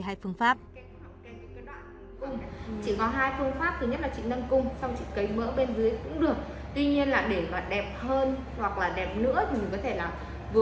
chỉ có hai phương pháp thứ nhất là chị nâng cung xong chị cấy mỡ bên dưới cũng được